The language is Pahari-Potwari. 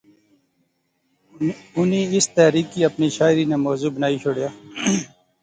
انی اس تحریک کی اپنی شاعری ناں موضوع بنائی شوڑیا